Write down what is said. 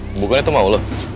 kebukanya tuh mau lo